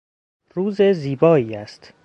روز زیبایی است.